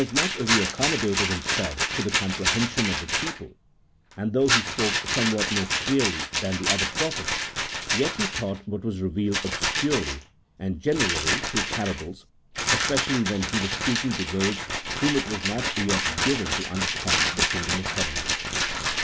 65 much as He accommodated Himself to the comprehension of the people, and though He spoke somewhat more clearly than the other prophets, yet He taught what was revealed obscurely, and generally through parables, especially when He was speaking to those to whom it was not yet given to understand the kingdom of heaven.